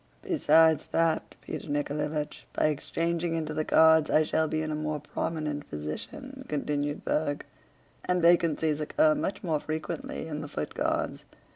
"Besides that, Peter Nikoláevich, by exchanging into the Guards I shall be in a more prominent position," continued Berg, "and vacancies occur much more frequently in the Foot Guards.